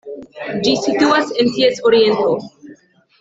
Ĝi situas en ties oriento.